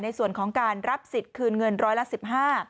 ในส่วนของการรับสิทธิ์คืนเงินร้อยละสิบห้า